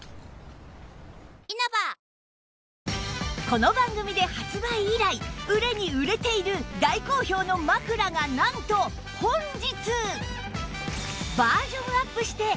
この番組で発売以来売れに売れている大好評の枕がなんと本日